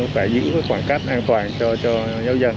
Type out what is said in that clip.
và giữ khoảng cách an toàn cho giáo dân